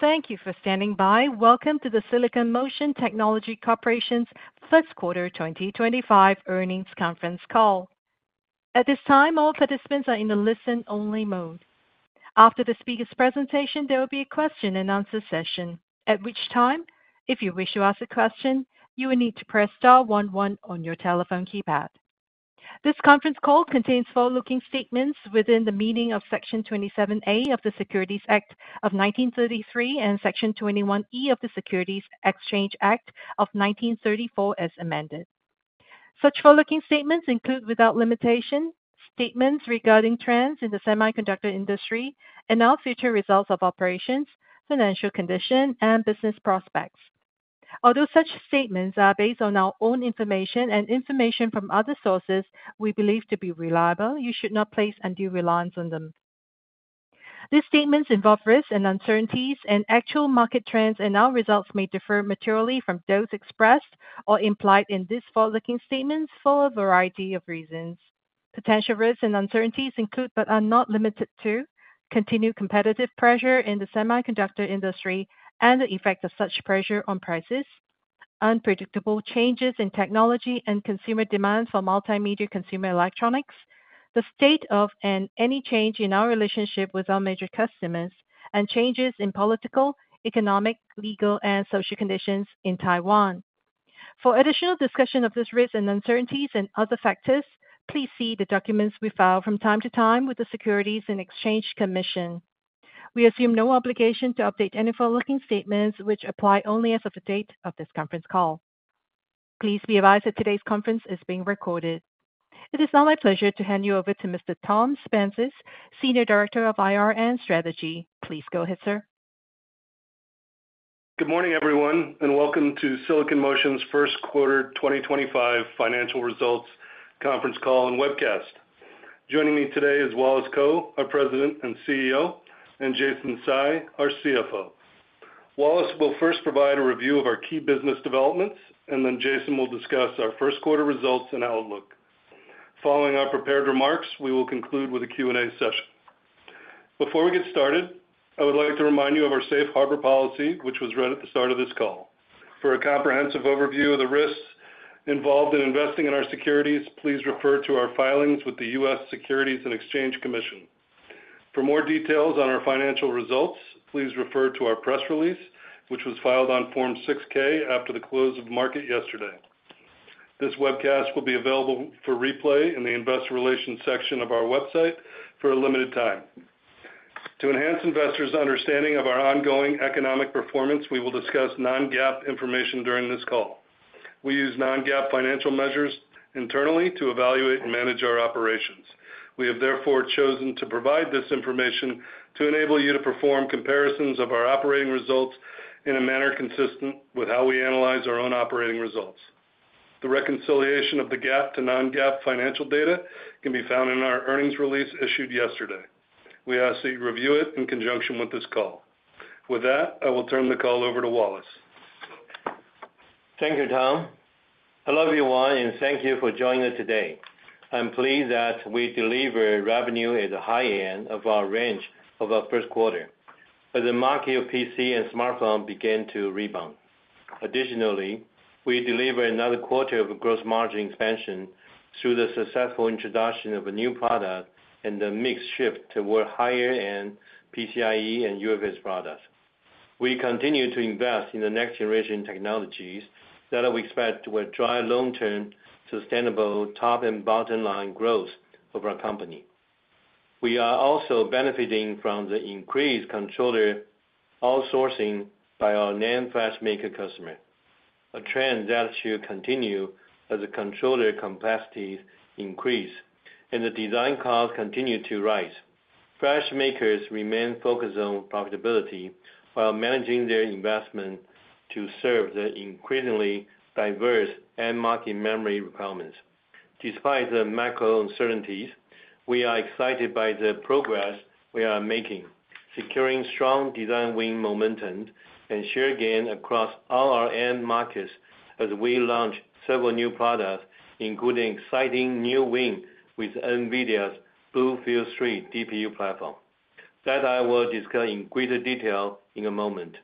Thank you for standing by. Welcome to the Silicon Motion Technology Corporation's first quarter 2025 earnings conference call. At this time, all participants are in the listen-only mode. After the speaker's presentation, there will be a question-and-answer session, at which time, if you wish to ask a question, you will need to press star one one on your telephone keypad. This conference call contains forward-looking statements within the meaning of Section 27A of the Securities Act of 1933 and Section 21E of the Securities Exchange Act of 1934, as amended. Such forward-looking statements include without limitation statements regarding trends in the semiconductor industry and our future results of operations, financial condition, and business prospects. Although such statements are based on our own information and information from other sources we believe to be reliable, you should not place undue reliance on them. These statements involve risks and uncertainties, and actual market trends and our results may differ materially from those expressed or implied in these forward-looking statements for a variety of reasons. Potential risks and uncertainties include, but are not limited to, continued competitive pressure in the semiconductor industry and the effect of such pressure on prices, unpredictable changes in technology and consumer demands for multimedia consumer electronics, the state of and any change in our relationship with our major customers, and changes in political, economic, legal, and social conditions in Taiwan. For additional discussion of these risks and uncertainties and other factors, please see the documents we file from time to time with the Securities and Exchange Commission. We assume no obligation to update any forward-looking statements, which apply only as of the date of this conference call. Please be advised that today's conference is being recorded. It is now my pleasure to hand you over to Mr. Tom Sepenzis, Senior Director of IR and Strategy. Please go ahead, sir. Good morning, everyone, and welcome to Silicon Motion's first quarter 2025 financial results conference call and webcast. Joining me today is Wallace Kou, our President and CEO, and Jason Tsai, our CFO. Wallace will first provide a review of our key business developments, and then Jason will discuss our first quarter results and outlook. Following our prepared remarks, we will conclude with a Q&A session. Before we get started, I would like to remind you of our Safe Harbor policy, which was read at the start of this call. For a comprehensive overview of the risks involved in investing in our securities, please refer to our filings with the U.S. Securities and Exchange Commission. For more details on our financial results, please refer to our press release, which was filed on Form 6-K after the close of the market yesterday. This webcast will be available for replay in the investor relations section of our website for a limited time. To enhance investors' understanding of our ongoing economic performance, we will discuss non-GAAP information during this call. We use non-GAAP financial measures internally to evaluate and manage our operations. We have therefore chosen to provide this information to enable you to perform comparisons of our operating results in a manner consistent with how we analyze our own operating results. The reconciliation of the GAAP to non-GAAP financial data can be found in our earnings release issued yesterday. We ask that you review it in conjunction with this call. With that, I will turn the call over to Wallace. Thank you, Tom. Hello, everyone, and thank you for joining us today. I'm pleased that we delivered revenue at the high end of our range for our first quarter, as the market of PC and smartphones began to rebound. Additionally, we delivered another quarter of gross margin expansion through the successful introduction of a new product and the mix shift toward higher-end PCIe and UFS products. We continue to invest in the next generation technologies that we expect to drive long-term sustainable top and bottom line growth of our company. We are also benefiting from the increased controller outsourcing by our NAND flash maker customer, a trend that should continue as the controller capacities increase and the design costs continue to rise. Flash makers remain focused on profitability while managing their investment to serve the increasingly diverse end-market memory requirements. Despite the macro uncertainties, we are excited by the progress we are making, securing strong design win momentum and share gain across all our end markets as we launch several new products, including exciting new win with NVIDIA's BlueField-3 DPU platform that I will discuss in greater detail in a moment,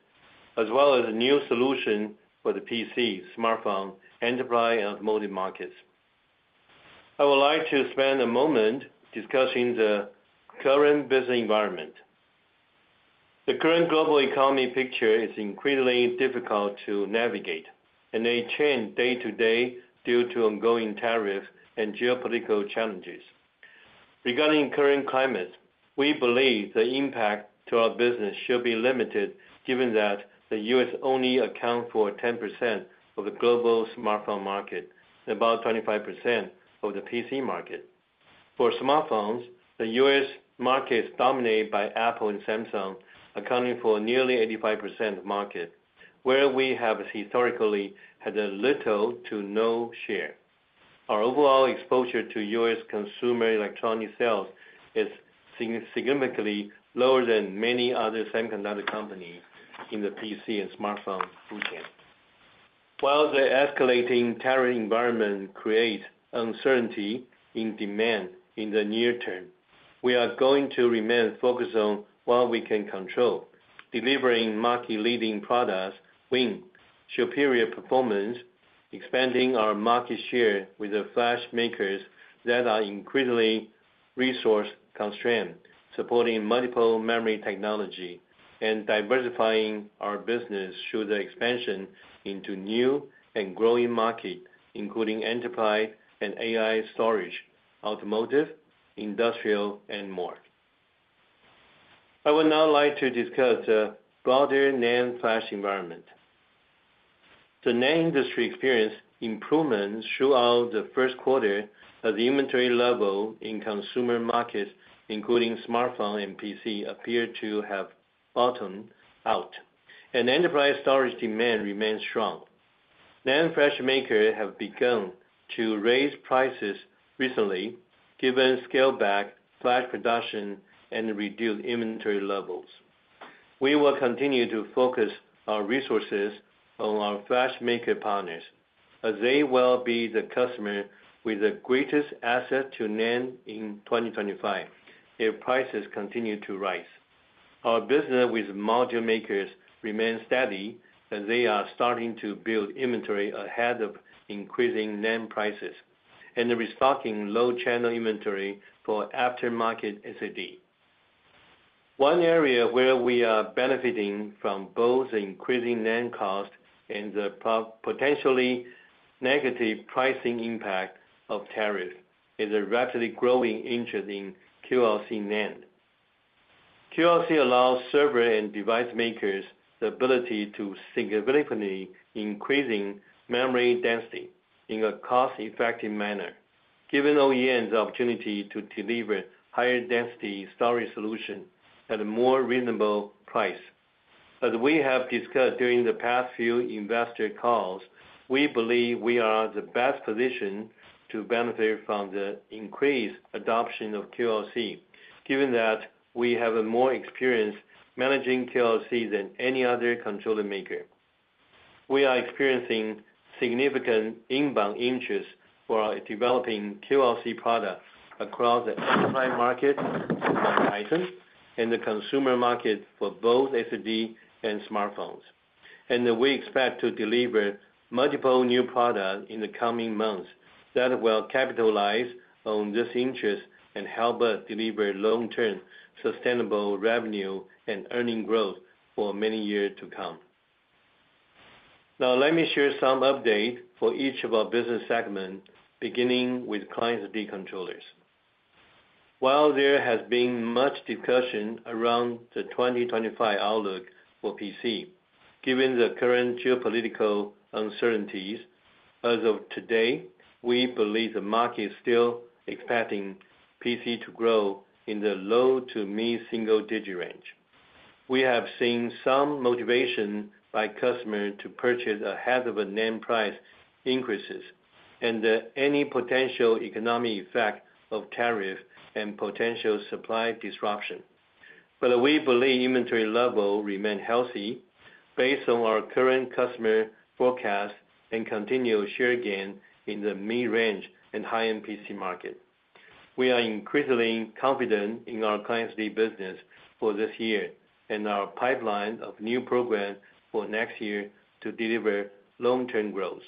as well as new solutions for the PC, smartphone, enterprise, and automotive markets. I would like to spend a moment discussing the current business environment. The current global economy picture is increasingly difficult to navigate, and it changes day to day due to ongoing tariffs and geopolitical challenges. Regarding the current climate, we believe the impact to our business should be limited, given that the U.S. only accounts for 10% of the global smartphone market and about 25% of the PC market. For smartphones, the U.S. market is dominated by Apple and Samsung, accounting for nearly 85% of the market, where we have historically had little to no share. Our overall exposure to U.S. consumer electronic sales is significantly lower than many other semiconductor companies in the PC and smartphone food chain. While the escalating tariff environment creates uncertainty in demand in the near term, we are going to remain focused on what we can control, delivering market-leading products, winning superior performance, expanding our market share with the flash makers that are increasingly resource constrained, supporting multiple memory technologies, and diversifying our business through the expansion into new and growing markets, including enterprise and AI storage, automotive, industrial, and more. I would now like to discuss the broader NAND flash environment. The NAND industry experienced improvements throughout the first quarter, as the inventory level in consumer markets, including smartphones and PC, appeared to have bottomed out, and enterprise storage demand remained strong. NAND flash makers have begun to raise prices recently, given scaled-back flash production and reduced inventory levels. We will continue to focus our resources on our flash maker partners, as they will be the customer with the greatest asset to NAND in 2025 if prices continue to rise. Our business with module makers remains steady, as they are starting to build inventory ahead of increasing NAND prices and restocking low-channel inventory for aftermarket SSD. One area where we are benefiting from both the increasing NAND costs and the potentially negative pricing impact of tariffs is the rapidly growing interest in QLC NAND. QLC allows server and device makers the ability to significantly increase memory density in a cost-effective manner, giving OEMs the opportunity to deliver higher-density storage solutions at a more reasonable price. As we have discussed during the past few investor calls, we believe we are in the best position to benefit from the increased adoption of QLC, given that we have more experience managing QLC than any other controller maker. We are experiencing significant inbound interest for developing QLC products across the enterprise market for manufacturing and the consumer market for both SSD and smartphones, and we expect to deliver multiple new products in the coming months that will capitalize on this interest and help us deliver long-term sustainable revenue and earnings growth for many years to come. Now, let me share some updates for each of our business segments, beginning with client-side controllers. While there has been much discussion around the 2025 outlook for PC, given the current geopolitical uncertainties, as of today, we believe the market is still expecting PC to grow in the low to mid-single-digit range. We have seen some motivation by customers to purchase ahead of the NAND price increases and any potential economic effect of tariffs and potential supply disruption. We believe inventory levels remain healthy based on our current customer forecasts and continued share gain in the mid-range and high-end PC market. We are increasingly confident in our client-side business for this year and our pipeline of new programs for next year to deliver long-term growth.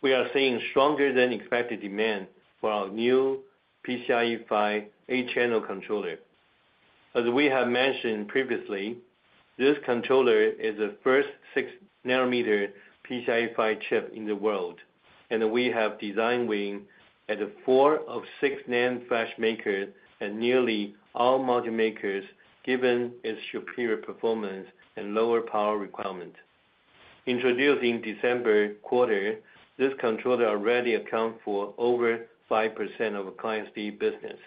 We are seeing stronger-than-expected demand for our new PCIe 5 8-channel controller. As we have mentioned previously, this controller is the first 6-nanometer PCIe 5 chip in the world, and we have design win at four of six NAND flash makers and nearly all module makers, given its superior performance and lower power requirements. Introduced in December quarter, this controller already accounts for over 5% of our client-side business,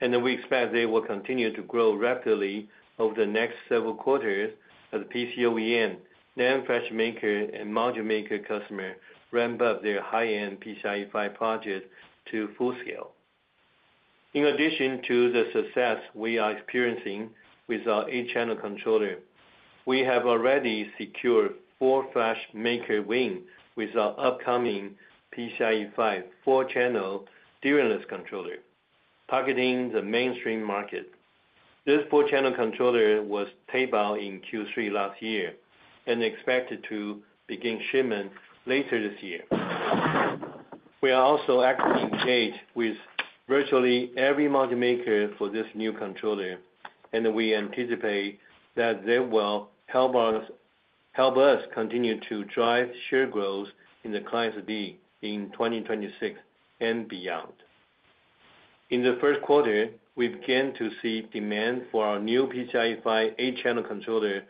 and we expect they will continue to grow rapidly over the next several quarters as PC OEM, NAND flash maker, and module maker customers ramp up their high-end PCIe 5 projects to full scale. In addition to the success we are experiencing with our 8-channel controller, we have already secured four flash maker wins with our upcoming PCIe 5 4-channel DRAM-less controller, targeting the mainstream market. This 4-channel controller was taped out in Q3 last year and expected to begin shipment later this year. We are also acting in engage with virtually every module maker for this new controller, and we anticipate that they will help us continue to drive share growth in the client-side in 2026 and beyond. In the first quarter, we began to see demand for our new PCIe 5 8-channel controller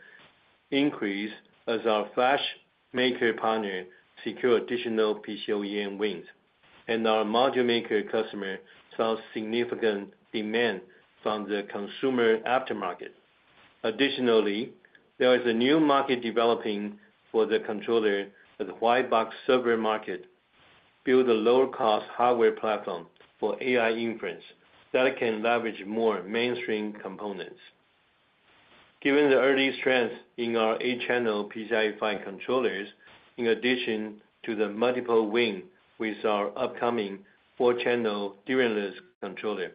increase as our flash maker partner secured additional PC OEM wins, and our module maker customer saw significant demand from the consumer aftermarket. Additionally, there is a new market developing for the controller as the white box server market builds a lower-cost hardware platform for AI inference that can leverage more mainstream components. Given the early strength in our 8-channel PCIe 5 controllers, in addition to the multiple wins with our upcoming 4-channel DRAM-less controller,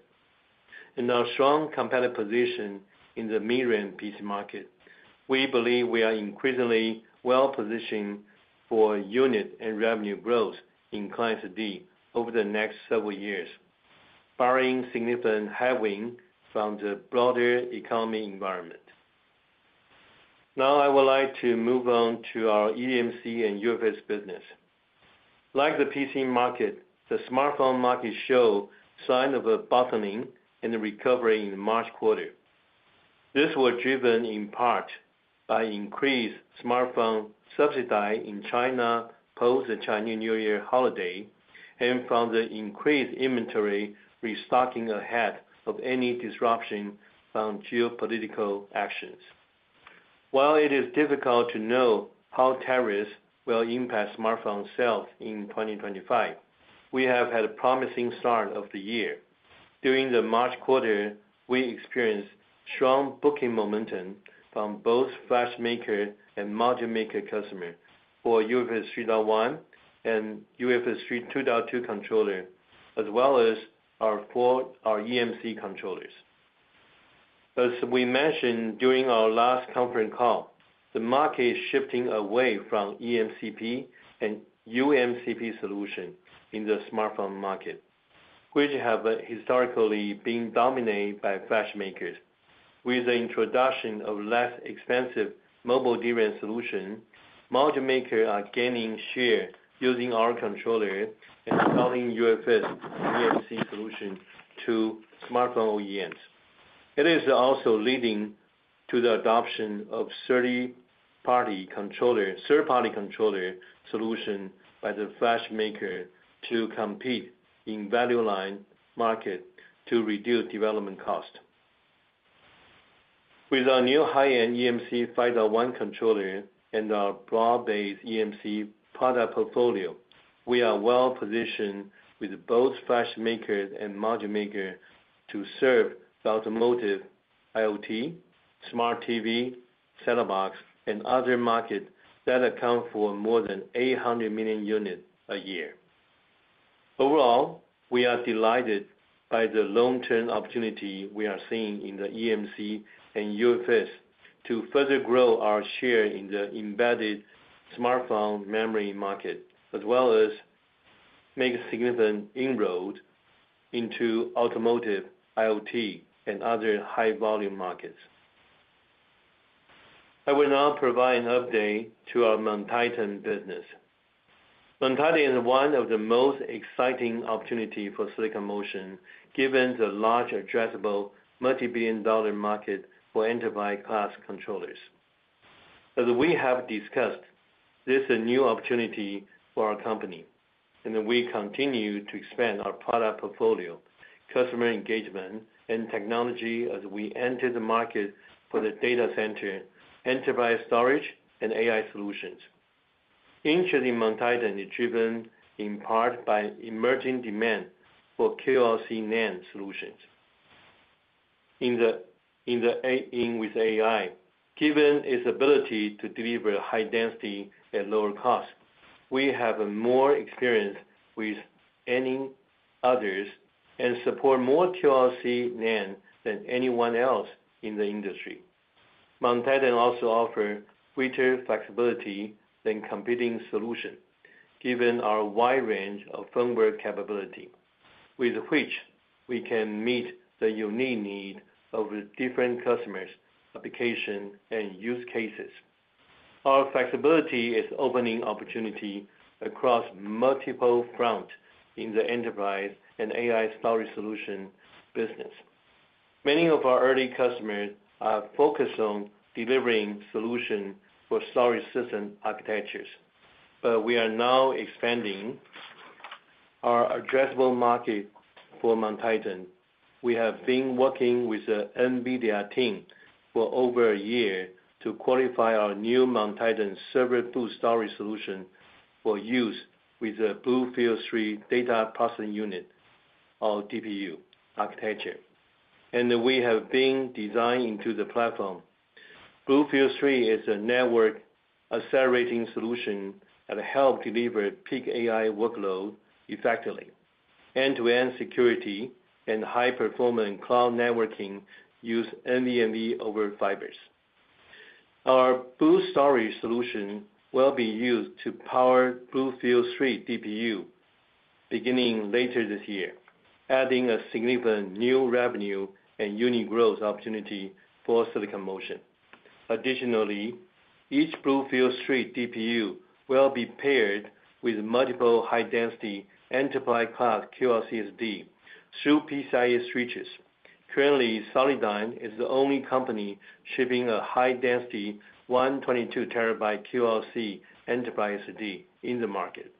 and our strong competitive position in the mid-range PC market, we believe we are increasingly well-positioned for unit and revenue growth in client-side over the next several years, barring significant headwinds from the broader economic environment. Now, I would like to move on to our eMMC and UFS business. Like the PC market, the smartphone market showed signs of a bottoming and recovery in the March quarter. This was driven in part by increased smartphone subsidies in China post the Chinese New Year holiday and from the increased inventory restocking ahead of any disruption from geopolitical actions. While it is difficult to know how tariffs will impact smartphone sales in 2025, we have had a promising start of the year. During the March quarter, we experienced strong booking momentum from both flash maker and module maker customers for UFS 3.1 and UFS 3.2 controller, as well as our eMMC controllers. As we mentioned during our last conference call, the market is shifting away from eMCP and uMCP solutions in the smartphone market, which have historically been dominated by flash makers. With the introduction of less expensive mobile DRAM-less solutions, module makers are gaining share using our controllers and selling UFS and eMMC solutions to smartphone OEMs. It is also leading to the adoption of third-party controller solutions by the flash makers to compete in value line markets to reduce development costs. With our new high-end eMMC 5.1 controller and our broad-based eMMC product portfolio, we are well-positioned with both flash makers and module makers to serve the automotive, IoT, smart TV, set-top box, and other markets that account for more than 800 million units a year. Overall, we are delighted by the long-term opportunity we are seeing in the eMMC and UFS to further grow our share in the embedded smartphone memory market, as well as make a significant inroad into automotive, IoT, and other high-volume markets. I will now provide an update to our MonTitan business. MonTitan is one of the most exciting opportunities for Silicon Motion, given the large addressable multi-billion dollar market for enterprise-class controllers. As we have discussed, this is a new opportunity for our company, and we continue to expand our product portfolio, customer engagement, and technology as we enter the market for the data center, enterprise storage, and AI solutions. Interest in MonTitan is driven in part by emerging demand for QLC solutions. In AI, given its ability to deliver high density at lower costs, we have more experience than any others and support more QLC solutions than anyone else in the industry. MonTitan also offers greater flexibility than competing solutions, given our wide range of firmware capability, with which we can meet the unique needs of different customers' applications and use cases. Our flexibility is an opening opportunity across multiple fronts in the enterprise and AI storage solution business. Many of our early customers are focused on delivering solutions for storage system architectures, but we are now expanding our addressable market for MonTitan. We have been working with the NVIDIA team for over a year to qualify our new MonTitan server boot storage solution for use with the BlueField-3 data processing unit, or DPU, architecture, and we have been designed into the platform. BlueField-3 is a network-accelerating solution that helps deliver peak AI workloads effectively, end-to-end security, and high-performance cloud networking using NVMe over Fabrics. Our boot storage solution will be used to power BlueField-3 DPU, beginning later this year, adding a significant new revenue and unique growth opportunity for Silicon Motion. Additionally, each BlueField-3 DPU will be paired with multiple high-density enterprise-class QLC SSDs through PCIe switches. Currently, Solidigm is the only company shipping a high-density 122 TB QLC enterprise SSD in the market,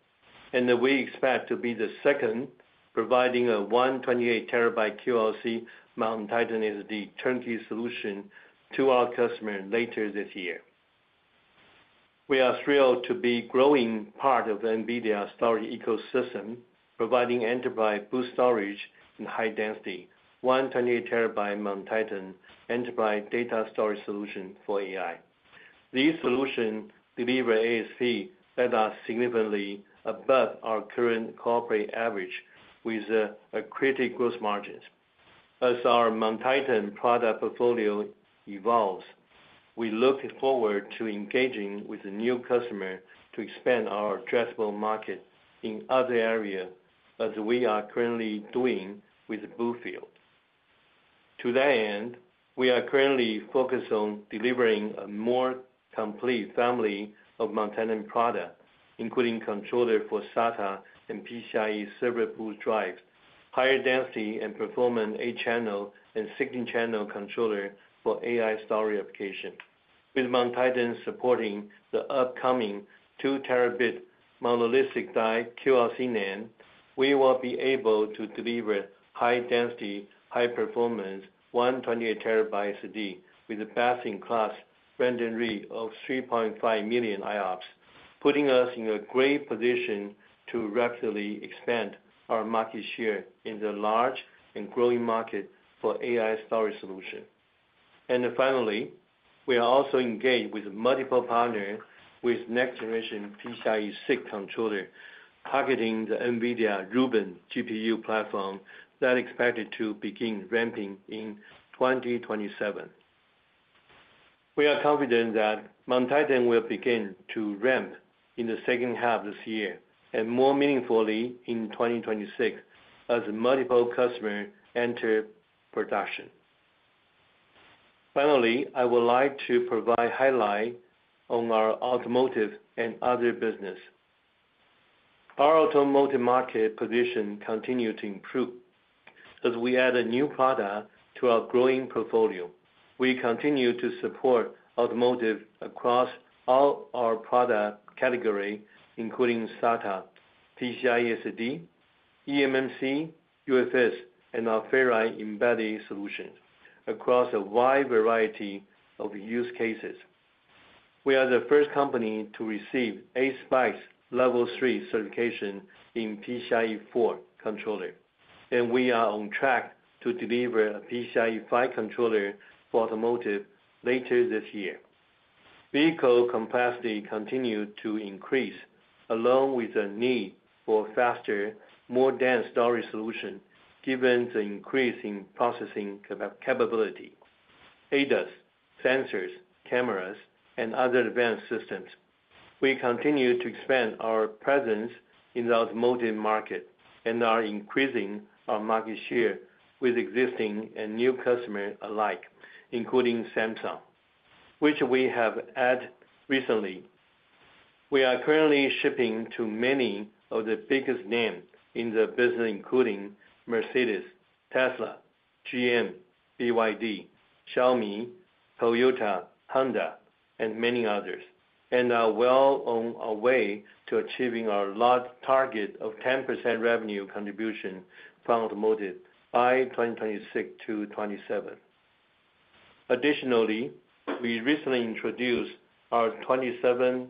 and we expect to be the second providing a 128 TB QLC MonTitan SSD turnkey solution to our customers later this year. We are thrilled to be a growing part of NVIDIA's storage ecosystem, providing enterprise boot storage and high-density 128 TB MonTitan enterprise data storage solution for AI. These solutions deliver ASPs that are significantly above our current corporate average with accretive gross margins. As our MonTitan product portfolio evolves, we look forward to engaging with new customers to expand our addressable market in other areas, as we are currently doing with BlueField. To that end, we are currently focused on delivering a more complete family of MonTitan products, including controllers for SATA and PCIe server boot drives, higher-density and performance 8-channel and 16-channel controllers for AI storage applications. With MonTitan supporting the upcoming 2-terabit monolithic die QLC NAND, we will be able to deliver high-density, high-performance 128 TB SSD with a best-in-class rendering of 3.5 million IOPS, putting us in a great position to rapidly expand our market share in the large and growing market for AI storage solutions. Finally, we are also engaged with multiple partners with next-generation PCIe 6 controller, targeting the NVIDIA Rubin GPU platform that is expected to begin ramping in 2027. We are confident that MonTitan will begin to ramp in the second half of this year and more meaningfully in 2026 as multiple customers enter production. Finally, I would like to provide a highlight on our automotive and other business. Our automotive market position continues to improve as we add a new product to our growing portfolio. We continue to support automotive across all our product categories, including SATA, PCIe SSD, eMMC, UFS, and our Ferri embedded solutions across a wide variety of use cases. We are the first company to receive ASPICE Level 3 certification in PCIe 4 controllers, and we are on track to deliver a PCIe 5 controller for automotive later this year. Vehicle capacity continues to increase, along with the need for faster, more dense storage solutions given the increase in processing capability, ADAS, sensors, cameras, and other advanced systems. We continue to expand our presence in the automotive market and are increasing our market share with existing and new customers alike, including Samsung, which we have added recently. We are currently shipping to many of the biggest names in the business, including Mercedes, Tesla, GM, BYD, Xiaomi, Toyota, Honda, and many others, and are well on our way to achieving our large target of 10% revenue contribution from automotive by 2026 to 2027. Additionally, we recently introduced our SM2708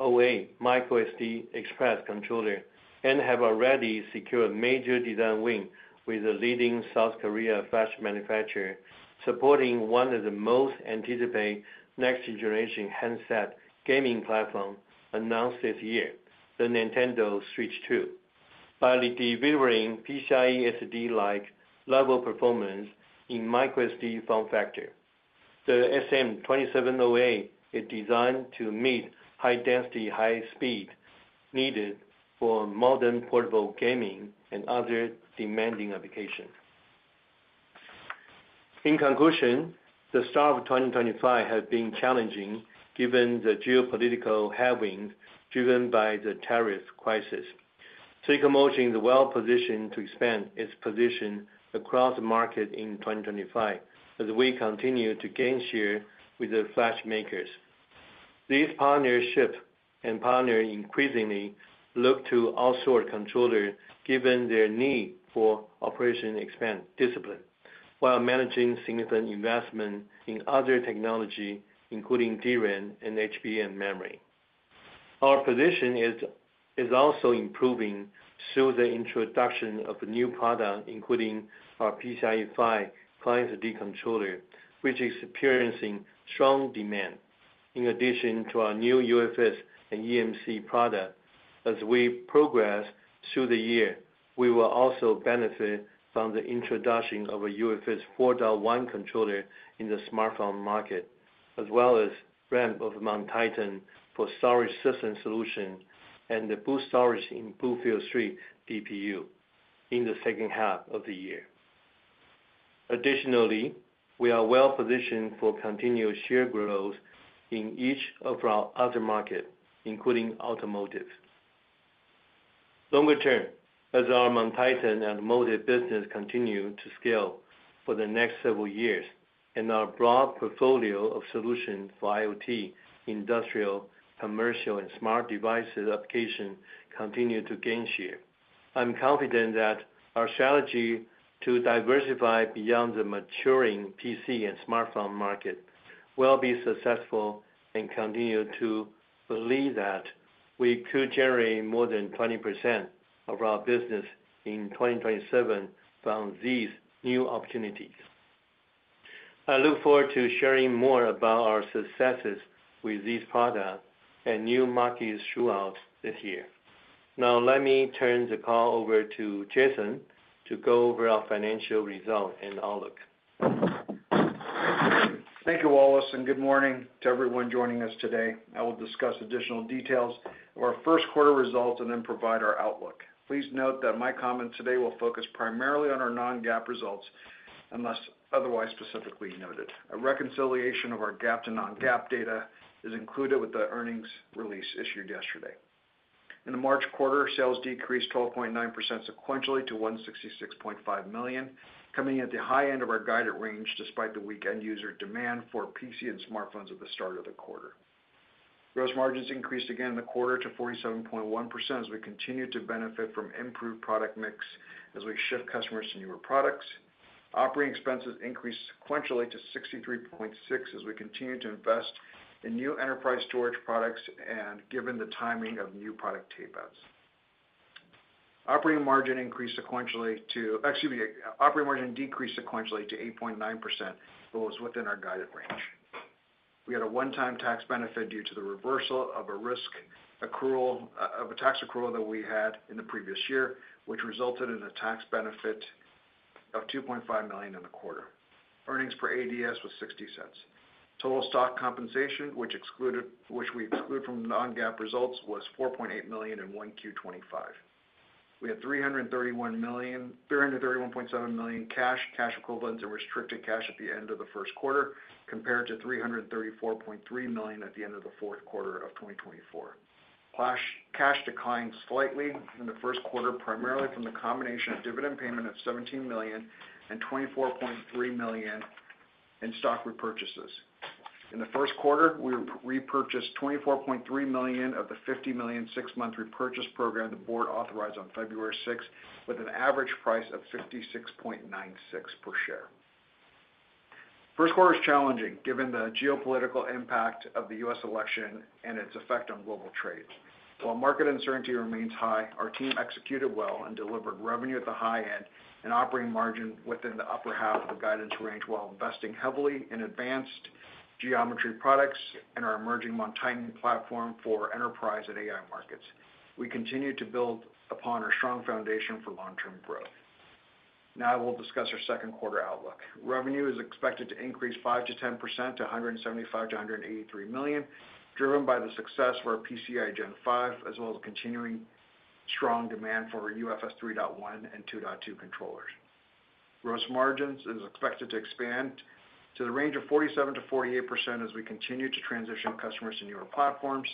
microSD express controller and have already secured a major design win with the leading South Korea flash manufacturer, supporting one of the most anticipated next-generation handset gaming platforms announced this year, the Nintendo Switch 2, by delivering PCIe SD-like level performance in microSD form factor. The SM2708 is designed to meet high-density, high-speed needed for modern portable gaming and other demanding applications. In conclusion, the start of 2025 has been challenging given the geopolitical headwinds driven by the tariff crisis. Silicon Motion is well-positioned to expand its position across the market in 2025 as we continue to gain share with the flash makers. These partners shift and partner increasingly, look to outsource controllers given their need for operational discipline while managing significant investment in other technologies, including DRAM and HBM memory. Our position is also improving through the introduction of a new product, including our PCIe 5 client SSD controller, which is experiencing strong demand. In addition to our new UFS and eMMC products, as we progress through the year, we will also benefit from the introduction of a UFS 4.1 controller in the smartphone market, as well as the ramp of MonTitan for storage system solutions and the boot storage in BlueField-3 DPU in the second half of the year. Additionally, we are well-positioned for continued share growth in each of our other markets, including automotive. Longer term, as our MonTitan and automotive business continues to scale for the next several years and our broad portfolio of solutions for IoT, industrial, commercial, and smart devices applications continue to gain share, I'm confident that our strategy to diversify beyond the maturing PC and smartphone market will be successful and continue to believe that we could generate more than 20% of our business in 2027 from these new opportunities. I look forward to sharing more about our successes with these products and new markets throughout this year. Now, let me turn the call over to Jason to go over our financial results and outlook. Thank you, Wallace, and good morning to everyone joining us today. I will discuss additional details of our first quarter results and then provide our outlook. Please note that my comments today will focus primarily on our non-GAAP results unless otherwise specifically noted. A reconciliation of our GAAP to non-GAAP data is included with the earnings release issued yesterday. In the March quarter, sales decreased 12.9% sequentially to $166.5 million, coming at the high end of our guided range despite the weak end-user demand for PC and smartphones at the start of the quarter. Gross margins increased again in the quarter to 47.1% as we continue to benefit from improved product mix as we shift customers to newer products. Operating expenses increased sequentially to $63.6 million as we continue to invest in new enterprise storage products and given the timing of new product tape-outs. Operating margin decreased sequentially to 8.9%, but was within our guided range. We had a one-time tax benefit due to the reversal of a risk accrual of a tax accrual that we had in the previous year, which resulted in a tax benefit of $2.5 million in the quarter. Earnings per ADS was $0.60. Total stock compensation, which we exclude from non-GAAP results, was $4.8 million in 1Q 2025. We had $331.7 million cash, cash equivalents, and restricted cash at the end of the first quarter compared to $334.3 million at the end of the fourth quarter of 2024. Cash declined slightly in the first quarter, primarily from the combination of dividend payment of $17 million and $24.3 million in stock repurchases. In the first quarter, we repurchased $24.3 million of the $50 million six-month repurchase program the board authorized on February 6, with an average price of $56.96 per share. First quarter is challenging given the geopolitical impact of the U.S. Election and its effect on global trade. While market uncertainty remains high, our team executed well and delivered revenue at the high end and operating margin within the upper half of the guidance range while investing heavily in advanced geometry products and our emerging MonTitan platform for enterprise and AI markets. We continue to build upon our strong foundation for long-term growth. Now, I will discuss our second quarter outlook. Revenue is expected to increase 5%-10% to $175 million-$183 million, driven by the success for our PCIe Gen5, as well as continuing strong demand for UFS 3.1 and 2.2 controllers. Gross margins are expected to expand to the range of 47%-48% as we continue to transition customers to newer platforms.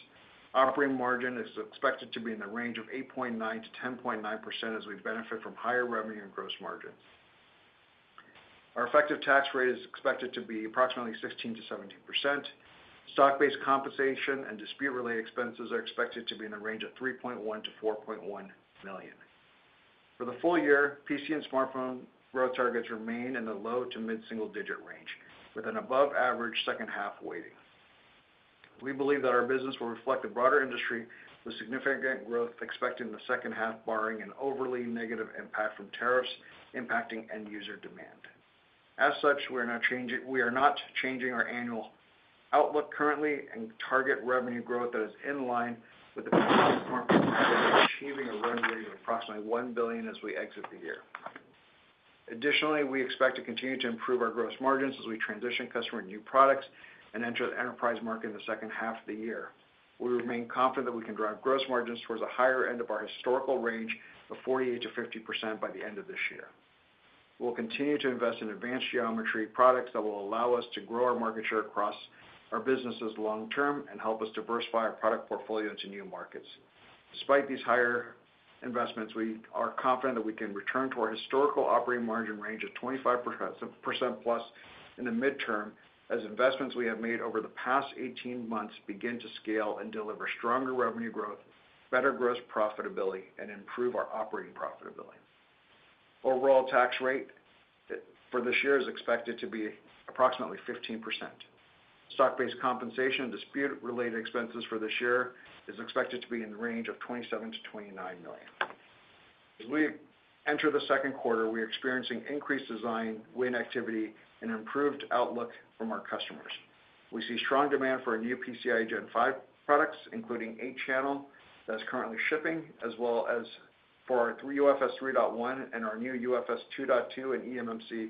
Operating margin is expected to be in the range of 8.9%-10.9% as we benefit from higher revenue and gross margins. Our effective tax rate is expected to be approximately 16-17%. Stock-based compensation and dispute-related expenses are expected to be in the range of $3.1 million-$4.1 million. For the full year, PC and smartphone growth targets remain in the low to mid-single-digit range, with an above-average second half weighting. We believe that our business will reflect the broader industry with significant growth expected in the second half, barring an overly negative impact from tariffs impacting end-user demand. As such, we are not changing our annual outlook currently and target revenue growth that is in line with the performance of achieving a revenue of approximately $1 billion as we exit the year. Additionally, we expect to continue to improve our gross margins as we transition customers to new products and enter the enterprise market in the second half of the year. We remain confident that we can drive gross margins towards the higher end of our historical range, the 48-50% by the end of this year. We'll continue to invest in advanced geometry products that will allow us to grow our market share across our businesses long-term and help us diversify our product portfolio into new markets. Despite these higher investments, we are confident that we can return to our historical operating margin range of 25% plus in the midterm as investments we have made over the past 18 months begin to scale and deliver stronger revenue growth, better gross profitability, and improve our operating profitability. Overall tax rate for this year is expected to be approximately 15%. Stock-based compensation and dispute-related expenses for this year are expected to be in the range of $27 million-$29 million. As we enter the second quarter, we are experiencing increased design win activity and improved outlook from our customers. We see strong demand for our new PCIe Gen5 products, including 8-channel that is currently shipping, as well as for our UFS 3.1 and our new UFS 2.2 and eMMC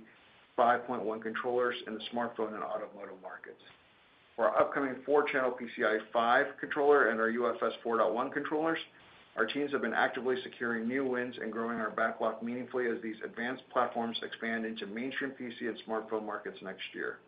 5.1 controllers in the smartphone and automotive markets. For our upcoming 4-channel PCIe 5 controller and our UFS 4.1 controllers, our teams have been actively securing new wins and growing our backlog meaningfully as these advanced platforms expand into mainstream PC and smartphone markets next year.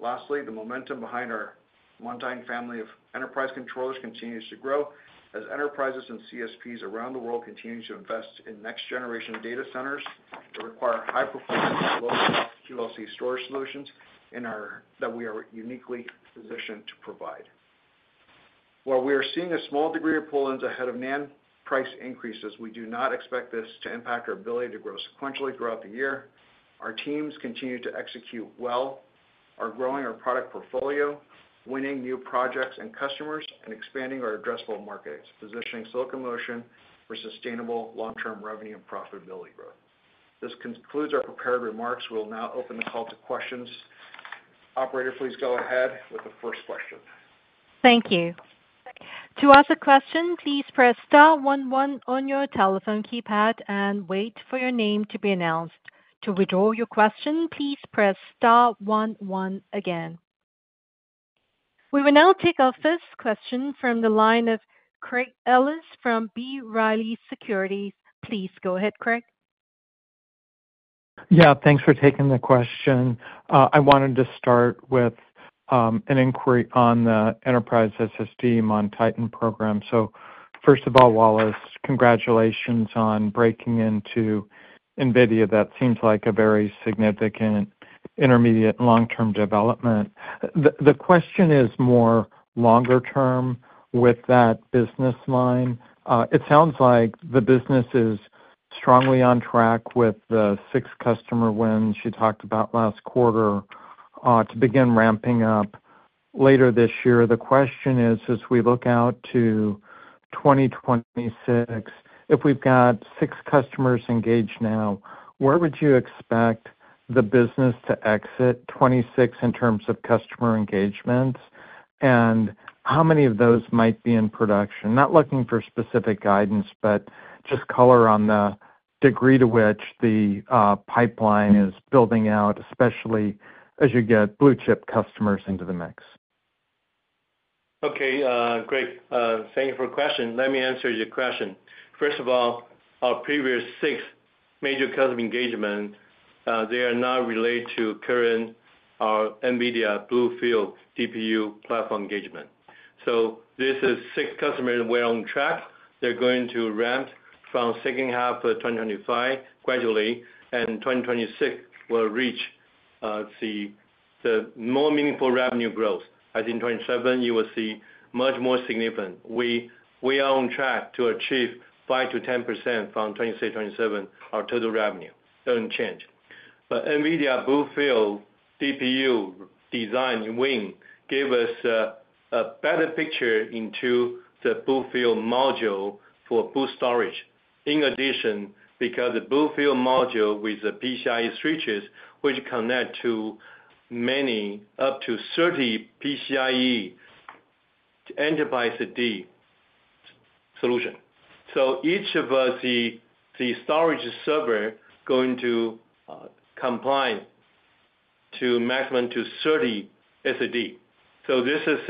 Lastly, the momentum behind our MonTitan family of enterprise controllers continues to grow as enterprises and CSPs around the world continue to invest in next-generation data centers that require high-performance low-cost QLC storage solutions that we are uniquely positioned to provide. While we are seeing a small degree of pull-ins ahead of non-price increases, we do not expect this to impact our ability to grow sequentially throughout the year. Our teams continue to execute well, are growing our product portfolio, winning new projects and customers, and expanding our addressable markets, positioning Silicon Motion for sustainable long-term revenue and profitability growth. This concludes our prepared remarks. We will now open the call to questions. Operator, please go ahead with the first question. Thank you. To ask a question, please press star one one on your telephone keypad and wait for your name to be announced. To withdraw your question, please press star one one again. We will now take our first question from the line of Craig Ellis from B. Riley Securities. Please go ahead, Craig. Yeah, thanks for taking the question. I wanted to start with an inquiry on the enterprise SSD MonTitan program. First of all, Wallace, congratulations on breaking into NVIDIA. That seems like a very significant intermediate and long-term development. The question is more longer term with that business line. It sounds like the business is strongly on track with the six customer wins you talked about last quarter to begin ramping up later this year. The question is, as we look out to 2026, if we've got six customers engaged now, where would you expect the business to exit 2026 in terms of customer engagements? How many of those might be in production? Not looking for specific guidance, but just color on the degree to which the pipeline is building out, especially as you get blue chip customers into the mix. Okay, great. Thank you for the question. Let me answer your question. First of all, our previous six major customer engagements, they are not related to current NVIDIA BlueField DPU platform engagement. These six customers were on track. They're going to ramp from second half of 2025 gradually, and 2026 will reach the more meaningful revenue growth. As in 2027, you will see much more significant. We are on track to achieve 5%-10% from 2026, 2027, our total revenue, don't change. NVIDIA BlueField DPU design win gave us a better picture into the BlueField module for boot storage. In addition, because the BlueField module with the PCIe switches, which connect to many, up to 30 PCIe enterprise SSD solutions. Each of the storage server is going to comply to maximum to 30 SSD. This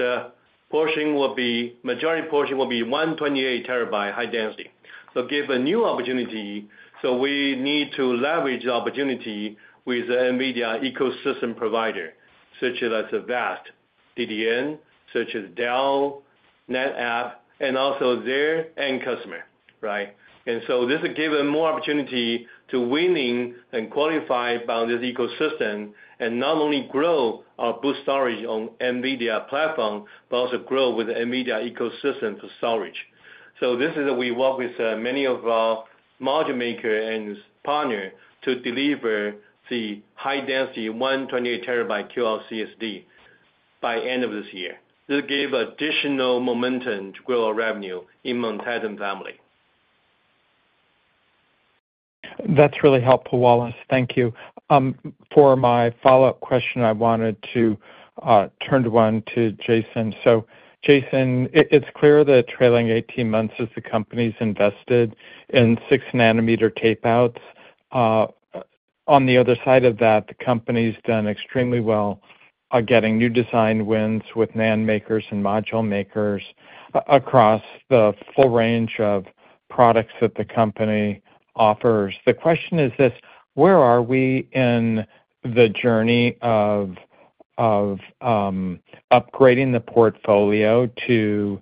portion will be the majority portion will be 128 TB high density. Give a new opportunity. We need to leverage the opportunity with the NVIDIA ecosystem provider, such as VAST, DDN, such as Dell, NetApp, and also their end customer. Right? This will give them more opportunity to win and qualify by this ecosystem and not only grow our boot storage on NVIDIA platform, but also grow with the NVIDIA ecosystem for storage. We work with many of our module makers and partners to deliver the high-density 128 TB QLC SSD by the end of this year. This gave additional momentum to grow our revenue in the MonTitan family. That's really helpful, Wallace. Thank you. For my follow-up question, I wanted to turn one to Jason. Jason, it's clear that trailing 18 months as the company's invested in six-nanometer tape-outs. On the other side of that, the company's done extremely well getting new design wins with NAND makers and module makers across the full range of products that the company offers. The question is this: where are we in the journey of upgrading the portfolio to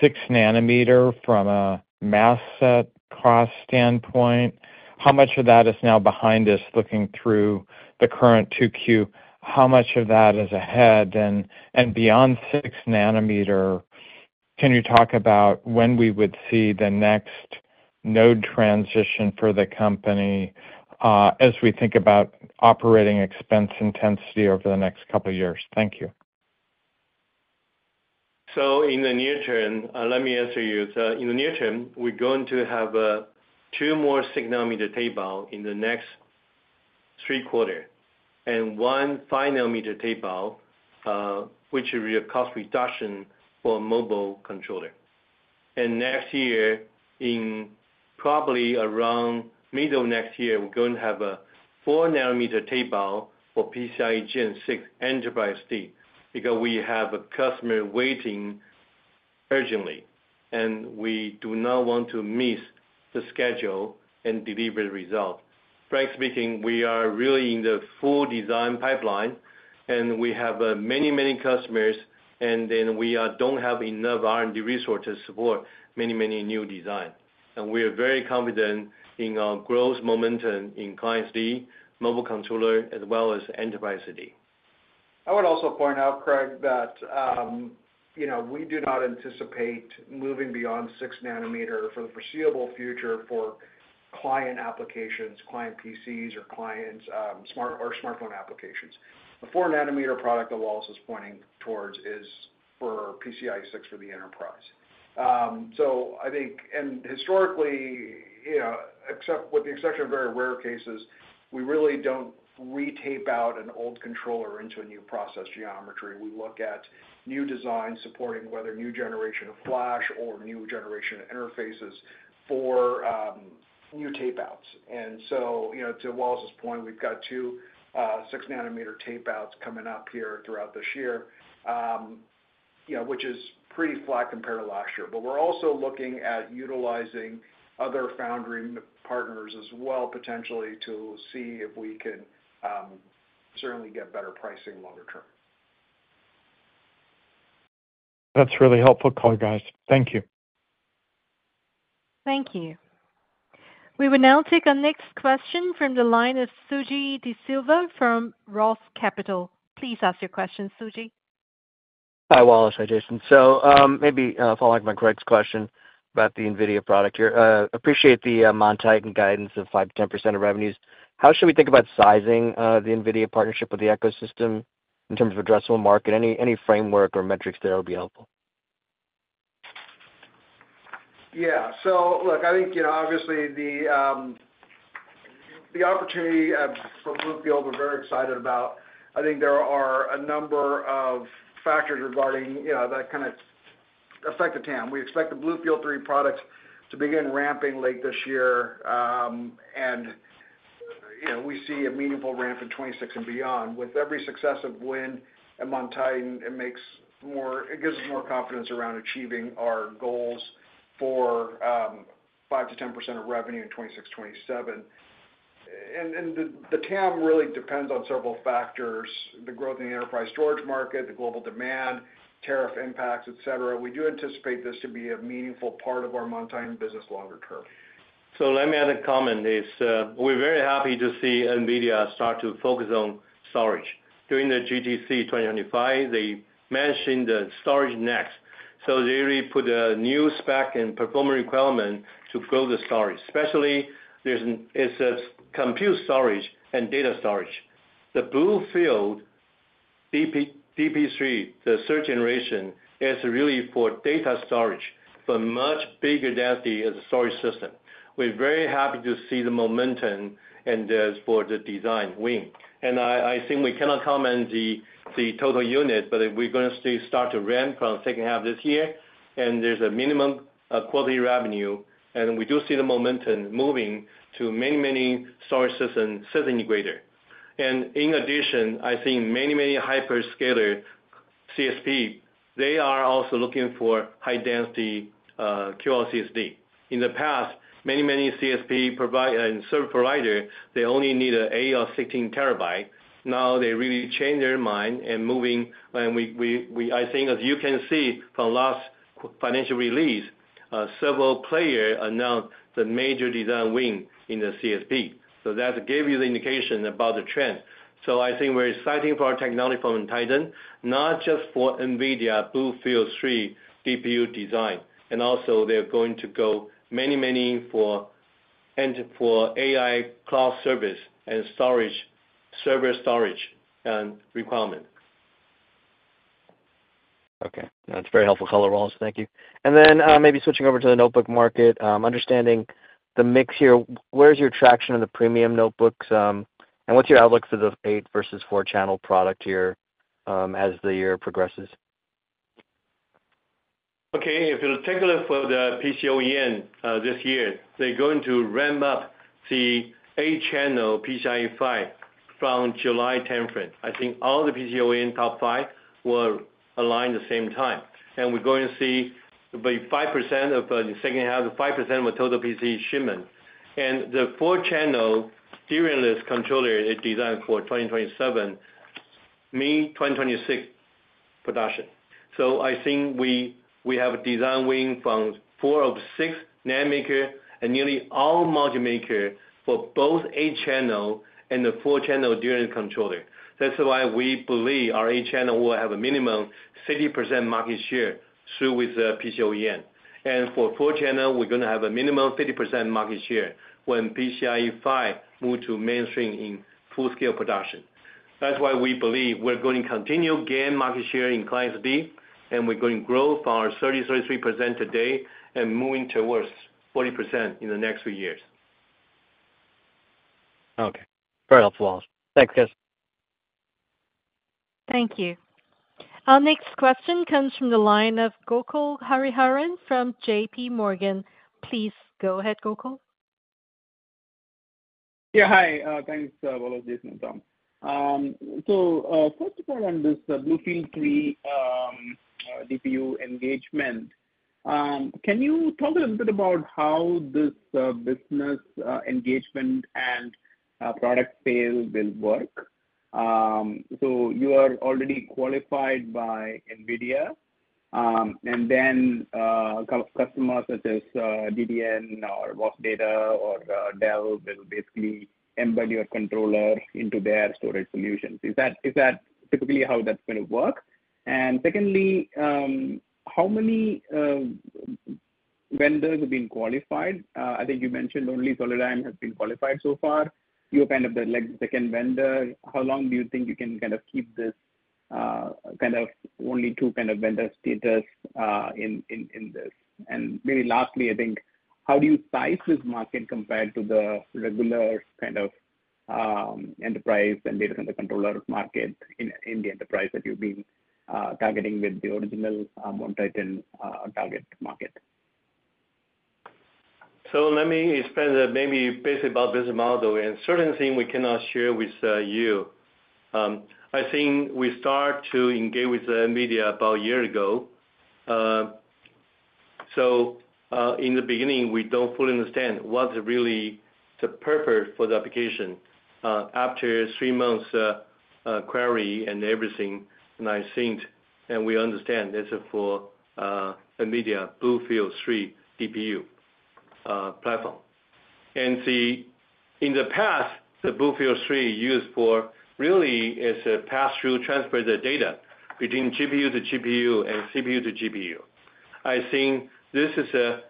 six-nanometer from a mass set cost standpoint? How much of that is now behind us looking through the current 2Q? How much of that is ahead? Beyond six-nanometer, can you talk about when we would see the next node transition for the company as we think about operating expense intensity over the next couple of years? Thank you. In the near term, let me answer you. In the near term, we're going to have two more six-nanometer tape-outs in the next three quarters and one five-nanometer tape-out, which will be a cost reduction for mobile controllers. Next year, probably around the middle of next year, we're going to have a four-nanometer tape-out for PCIe Gen 6 enterprise SSD because we have a customer waiting urgently, and we do not want to miss the schedule and deliver the result. Frank speaking, we are really in the full design pipeline, and we have many, many customers, and we do not have enough R&D resources to support many, many new designs. We are very confident in our growth momentum in client SSD, mobile controller, as well as enterprise SSD. I would also point out, Craig, that we do not anticipate moving beyond six-nanometer for the foreseeable future for client applications, client PCs, or client smartphone applications. The four-nanometer product that Wallace is pointing towards is for PCIe 6 for the enterprise. I think, and historically, except with the exception of very rare cases, we really don't retape out an old controller into a new process geometry. We look at new designs supporting whether new generation of flash or new generation interfaces for new tape-outs. To Wallace's point, we've got two six-nanometer tape-outs coming up here throughout this year, which is pretty flat compared to last year. We're also looking at utilizing other foundry partners as well, potentially, to see if we can certainly get better pricing longer term. That's really helpful, guys. Thank you. Thank you. We will now take our next question from the line of Suji Desilva from Roth Capital. Please ask your question, Suji. Hi, Wallace. Hi, Jason. Maybe following up on Craig's question about the NVIDIA product here, I appreciate the MonTitan guidance of 5%-10% of revenues. How should we think about sizing the NVIDIA partnership with the ecosystem in terms of addressable market? Any framework or metrics there would be helpful? Yeah. So look, I think obviously the opportunity for BlueField, we're very excited about. I think there are a number of factors regarding that kind of affect the TAM. We expect the BlueField-3 products to begin ramping late this year, and we see a meaningful ramp in 2026 and beyond. With every successive win at MonTitan, it gives us more confidence around achieving our goals for 5%-10% of revenue in 2026, 2027. And the TAM really depends on several factors: the growth in the enterprise storage market, the global demand, tariff impacts, etc. We do anticipate this to be a meaningful part of our MonTitan business longer term. Let me add a comment. We're very happy to see NVIDIA start to focus on storage. During the GTC 2025, they mentioned the storage next. They really put a new spec and performance requirement to grow the storage, especially if it's compute storage and data storage. BlueField-3 DPU, the third generation, is really for data storage for much bigger density as a storage system. We're very happy to see the momentum and for the design win. I think we cannot comment on the total unit, but we're going to start to ramp from second half this year, and there's a minimum quality revenue. We do see the momentum moving to many, many storage system integrators. In addition, I think many, many hyperscaler CSP, they are also looking for high-density QLC SSD. In the past, many, many CSP and service providers, they only needed 8 or 16 TB. Now they really changed their mind and moving. I think, as you can see from last financial release, several players announced the major design win in the CSP. That gave you the indication about the trend. I think we're exciting for our technology from MonTitan, not just for NVIDIA BlueField-3 DPU design. Also, they're going to go many, many for AI cloud service and server storage requirement. Okay. That's very helpful, Colonel Wallace. Thank you. Maybe switching over to the notebook market, understanding the mix here, where's your traction on the premium notebooks? What's your outlook for the 8 versus 4-channel product here as the year progresses? Okay. If you'll take a look for the PCOEN this year, they're going to ramp up the 8-channel PCIe 5 from July timeframe. I think all the PCIe top five will align at the same time. We're going to see about 5% of the second half, 5% of the total PC shipment. The 4-channel DRAM-less controller is designed for 2027, mid-2026 production. I think we have a design win from four of six NAND makers and nearly all module makers for both 8-channel and the 4-channel DRAM controller. That is why we believe our 8-channel will have a minimum 60% market share through with the PCIe. For 4-channel, we're going to have a minimum 50% market share when PCIe 5 moves to mainstream in full-scale production. That is why we believe we're going to continue gaining market share in client SSD, and we're going to grow from our 30%, 33% today and moving towards 40% in the next few years. Okay. Very helpful, Wallace. Thanks, guys. Thank you. Our next question comes from the line of Gokul Hariharan from JPMorgan. Please go ahead, Gokul. Yeah. Hi. Thanks, Wallace, Jason, and Tom. First of all, on this BlueField-3 DPU engagement, can you talk a little bit about how this business engagement and product sales will work? You are already qualified by NVIDIA, and then customers such as DDN or Roth Data or Dell will basically embed your controller into their storage solutions. Is that typically how that's going to work? Secondly, how many vendors have been qualified? I think you mentioned only Solidigm has been qualified so far. You're kind of the second vendor. How long do you think you can kind of keep this kind of only two kind of vendor status in this? Maybe lastly, I think, how do you size this market compared to the regular kind of enterprise and data center controller market in the enterprise that you've been targeting with the original MonTitan target market? Let me explain maybe basically about this model. Certain things we cannot share with you. I think we started to engage with NVIDIA about a year ago. In the beginning, we don't fully understand what really the purpose for the application is. After three months' query and everything, I think we understand this is for NVIDIA BlueField-3 DPU platform. In the past, the BlueField-3 used for really is a pass-through transfer of the data between GPU to GPU and CPU to GPU. I think this is a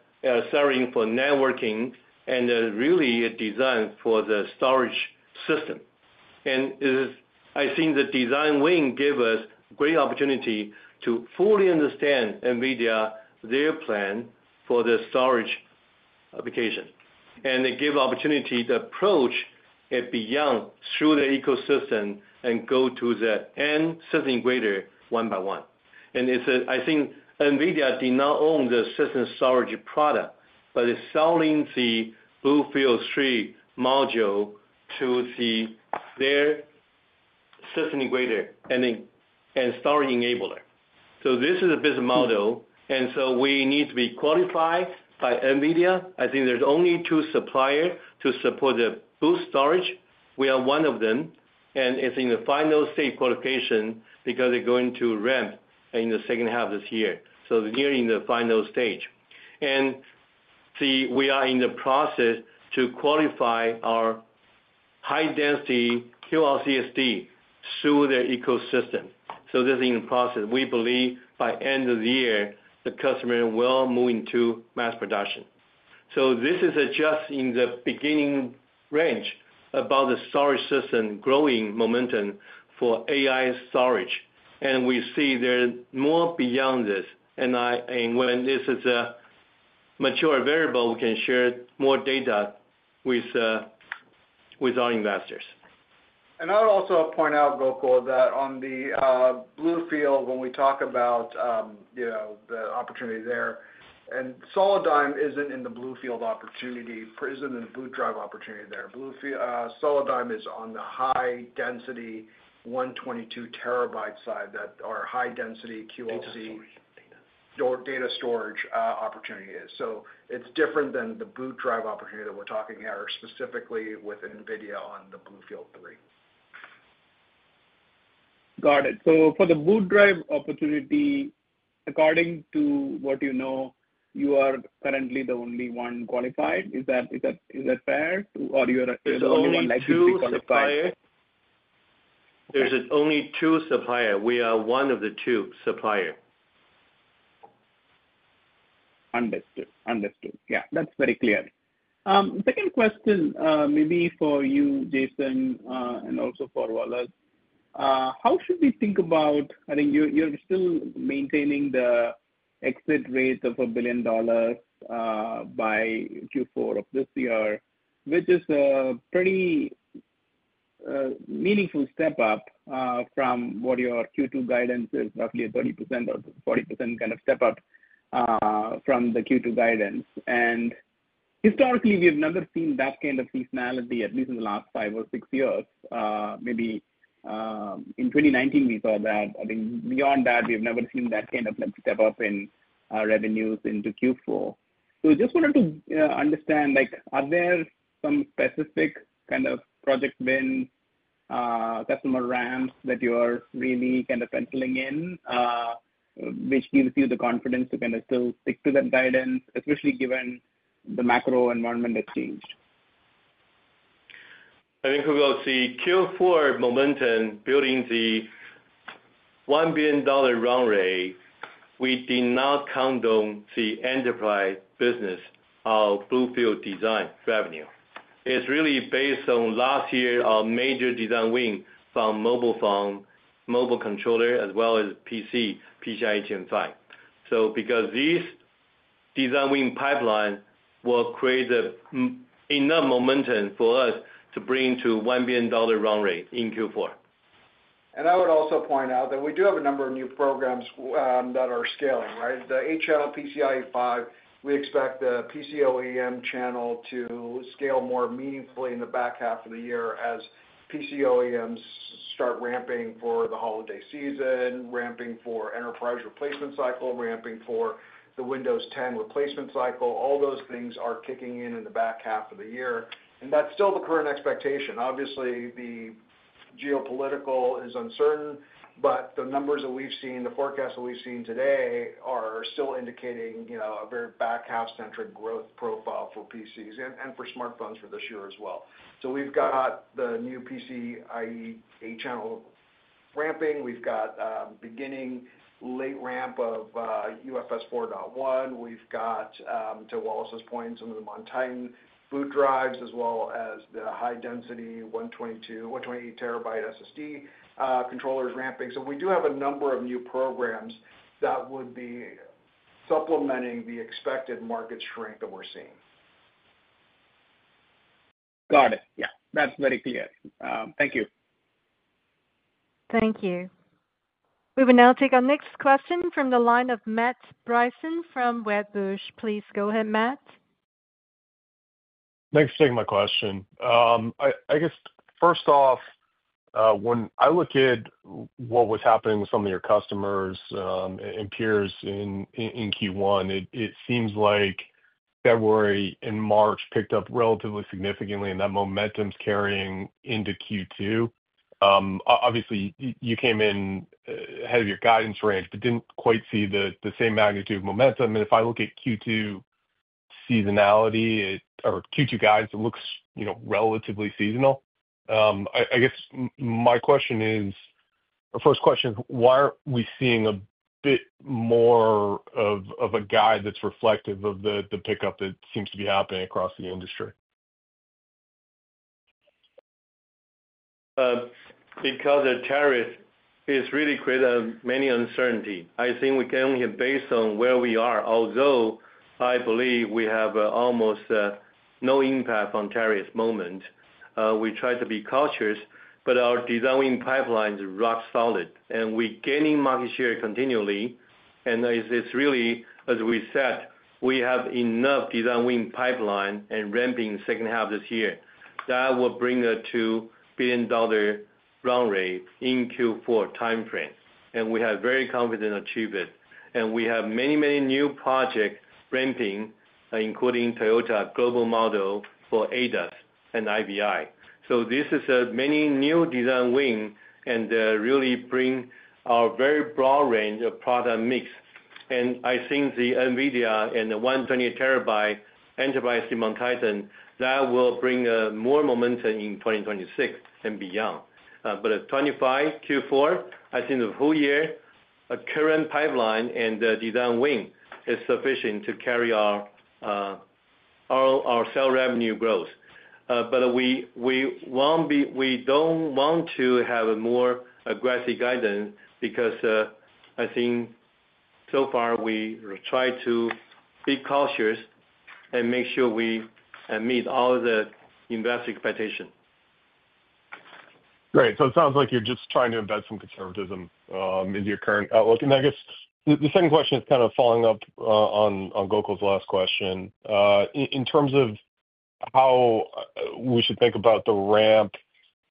setting for networking and really a design for the storage system. I think the design win gave us great opportunity to fully understand NVIDIA, their plan for the storage application. It gave opportunity to approach it beyond through the ecosystem and go to the end system integrator one by one. I think NVIDIA did not own the system storage product, but it is selling the BlueField-3 module to their system integrator and storage enabler. This is a business model. We need to be qualified by NVIDIA. I think there are only two suppliers to support the boost storage. We are one of them. It is in the final stage qualification because they are going to ramp in the second half of this year. They are nearing the final stage. We are in the process to qualify our high-density QLC SSD through their ecosystem. This is in the process. We believe by the end of the year, the customer will move into mass production. This is just in the beginning range about the storage system growing momentum for AI storage. We see there is more beyond this. When this is a mature variable, we can share more data with our investors. I would also point out, Gokul, that on the BlueField, when we talk about the opportunity there, and Solidigm is not in the BlueField opportunity. It is not the Boot Drive opportunity there. Solidigm is on the high-density 122 TB side that our high-density QLC data storage opportunity is. It is different than the Boot Drive opportunity that we are talking about specifically with NVIDIA on the BlueField-3. Got it. For the Boot Drive opportunity, according to what you know, you are currently the only one qualified. Is that fair? Or you're the only one likely to be qualified? There's only two suppliers. We are one of the two suppliers. Understood. Understood. Yeah. That's very clear. Second question maybe for you, Jason, and also for Wallace. How should we think about I think you're still maintaining the exit rate of a billion dollars by Q4 of this year, which is a pretty meaningful step up from what your Q2 guidance is, roughly a 30% or 40% kind of step up from the Q2 guidance. Historically, we have never seen that kind of seasonality, at least in the last five or six years. Maybe in 2019, we saw that. I think beyond that, we have never seen that kind of step up in revenues into Q4. I just wanted to understand, are there some specific kind of project wins, customer ramps that you are really kind of entering in, which gives you the confidence to kind of still stick to that guidance, especially given the macro environment that's changed? I think we will see Q4 momentum building the $1 billion run rate. We did not condone the enterprise business of BlueField design revenue. It's really based on last year's major design win from mobile phone, mobile controller, as well as PC, PCIe Gen5. Because these design win pipelines will create enough momentum for us to bring to $1 billion run rate in Q4. I would also point out that we do have a number of new programs that are scaling, right? The 8-channel PCIe 5, we expect the PCOEM channel to scale more meaningfully in the back half of the year as PCOEMs start ramping for the holiday season, ramping for enterprise replacement cycle, ramping for the Windows 10 replacement cycle. All those things are kicking in in the back half of the year. That is still the current expectation. Obviously, the geopolitical is uncertain, but the numbers that we've seen, the forecast that we've seen today are still indicating a very back-half-centric growth profile for PCs and for smartphones for this year as well. We have the new PCIe 8-channel ramping. We have beginning late ramp of UFS 4.1. We have, to Wallace's point, some of the MonTitan boot drives, as well as the high-density 128 TB SSD controllers ramping. We do have a number of new programs that would be supplementing the expected market strength that we're seeing. Got it. Yeah. That's very clear. Thank you. Thank you. We will now take our next question from the line of Matt Bryson from Wedbush. Please go ahead, Matt. Thanks for taking my question. I guess, first off, when I look at what was happening with some of your customers and peers in Q1, it seems like February and March picked up relatively significantly, and that momentum's carrying into Q2. Obviously, you came in ahead of your guidance range, but didn't quite see the same magnitude of momentum. If I look at Q2 seasonality or Q2 guidance, it looks relatively seasonal. I guess my question is, our first question is, why aren't we seeing a bit more of a guide that's reflective of the pickup that seems to be happening across the industry? Because the tariff has really created many uncertainties. I think we can only base on where we are, although I believe we have almost no impact on tariff moments. We try to be cautious, but our design win pipeline is rock solid, and we're gaining market share continually. It is really, as we said, we have enough design win pipeline and ramping second half of this year. That will bring a $2 billion run rate in Q4 timeframe. We have very confident achievement. We have many, many new projects ramping, including Toyota global model for ADAS and IVI. This is a many new design win and really bring our very broad range of product mix. I think the NVIDIA and the 128 TB enterprise in MonTitan, that will bring more momentum in 2026 and beyond. For 2025, Q4, I think the whole year, a current pipeline and design win is sufficient to carry our sale revenue growth. We do not want to have a more aggressive guidance because I think so far we try to be cautious and make sure we meet all the investor expectations. Great. It sounds like you're just trying to embed some conservatism in your current outlook. I guess the second question is kind of following up on Gokul's last question. In terms of how we should think about the ramp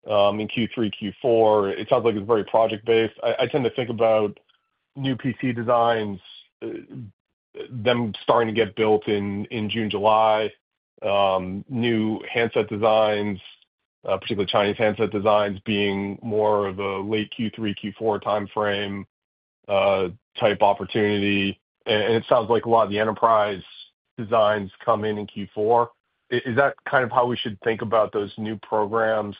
in Q3, Q4, it sounds like it's very project-based. I tend to think about new PC designs, them starting to get built in June, July, new handset designs, particularly Chinese handset designs being more of a late Q3, Q4 timeframe type opportunity. It sounds like a lot of the enterprise designs come in in Q4. Is that kind of how we should think about those new programs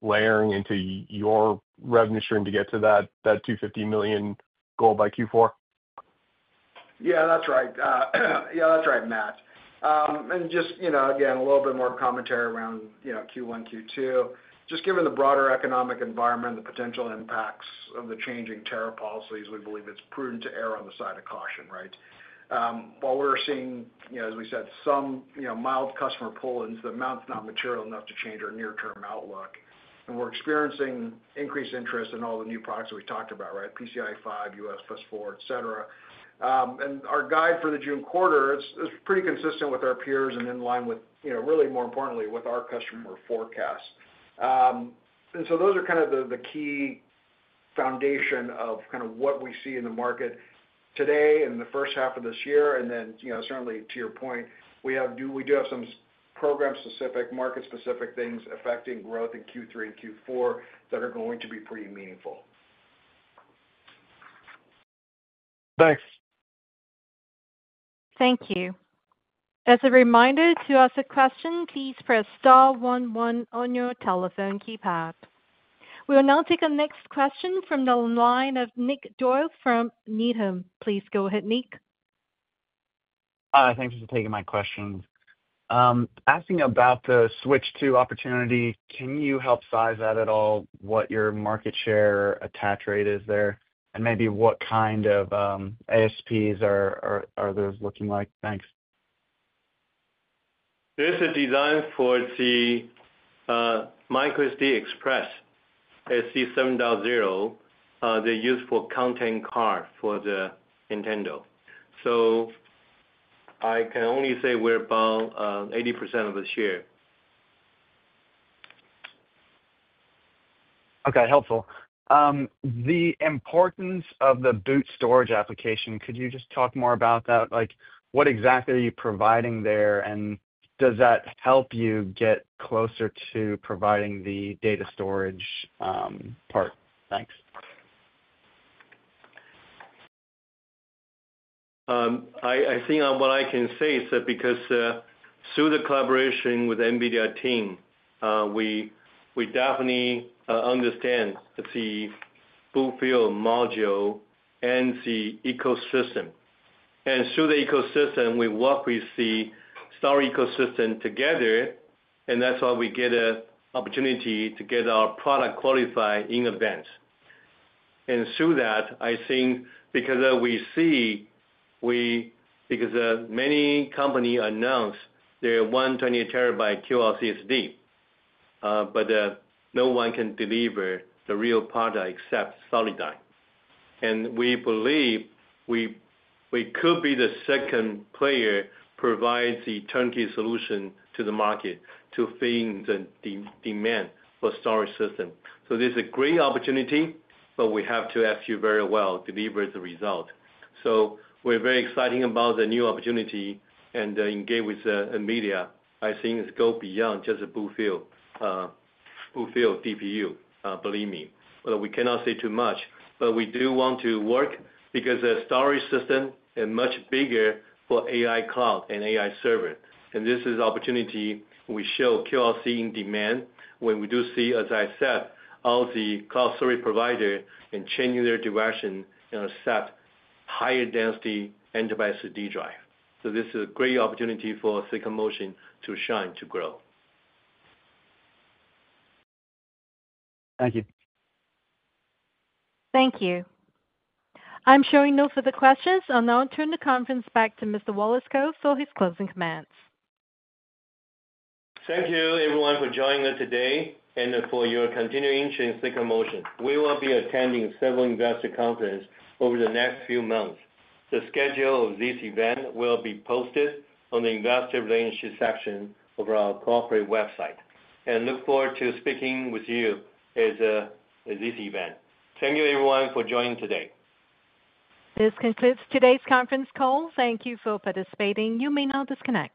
layering into your revenue stream to get to that $250 million goal by Q4? Yeah, that's right. Yeah, that's right, Matt. Just, again, a little bit more commentary around Q1, Q2. Just given the broader economic environment, the potential impacts of the changing tariff policies, we believe it's prudent to error on the side of caution, right? While we're seeing, as we said, some mild customer pull-ins, the amount's not material enough to change our near-term outlook. We are experiencing increased interest in all the new products that we talked about, right? PCIe 5, UFS 4, etc. Our guide for the June quarter is pretty consistent with our peers and in line with, really more importantly, with our customer forecasts. Those are kind of the key foundation of kind of what we see in the market today in the first half of this year. Certainly, to your point, we do have some program-specific, market-specific things affecting growth in Q3 and Q4 that are going to be pretty meaningful. Thanks. Thank you. As a reminder to ask a question, please press star one one on your telephone keypad. We will now take our next question from the line of Nick Doyle from Needham. Please go ahead, Nick. Hi. Thanks for taking my question. Asking about the Switch 2 opportunity, can you help size that at all, what your market share attach rate is there, and maybe what kind of ASPs are those looking like? Thanks. There's a design for the microSD Express SD 7.0. They're used for content card for the Nintendo. I can only say we're about 80% of the share. Okay. Helpful. The importance of the boot storage application, could you just talk more about that? What exactly are you providing there, and does that help you get closer to providing the data storage part? Thanks. I think what I can say is that because through the collaboration with the NVIDIA team, we definitely understand the BlueField module and the ecosystem. Through the ecosystem, we work with the storage ecosystem together, and that's why we get an opportunity to get our product qualified in advance. Through that, I think because we see because many companies announced their 128 TB QLC SSD, but no one can deliver the real product except Solidigm. We believe we could be the second player providing the turnkey solution to the market to feed the demand for storage system. This is a great opportunity, but we have to execute very well, deliver the result. We are very excited about the new opportunity and engage with NVIDIA. I think it goes beyond just the BlueField DPU, believe me. We cannot say too much. We do want to work because the storage system is much bigger for AI cloud and AI server. This is an opportunity. We show QLC in demand when we do see, as I said, all the cloud storage providers and changing their direction and accept higher-density enterprise SSD drive. This is a great opportunity for Silicon Motion to shine, to grow. Thank you. Thank you. I'm showing no further questions. I'll now turn the conference back to Mr. Wallace Kou for his closing comments. Thank you, everyone, for joining us today and for your continuing in Silicon Motion. We will be attending several investor conferences over the next few months. The schedule of this event will be posted on the Investor Relations section of our corporate website. I look forward to speaking with you at this event. Thank you, everyone, for joining today. This concludes today's conference call. Thank you for participating. You may now disconnect.